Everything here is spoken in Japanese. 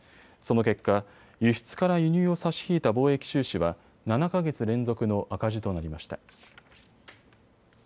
その結果、輸出から輸入を差し引いた貿易収支は７か月連続の赤字となりました。